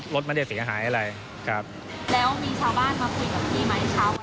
รถไม่ได้เสียหายอะไรครับแล้วมีชาวบ้านมาคุยกับพี่ไหมเช้า